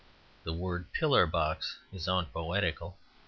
The word "pillar box" is unpoetical.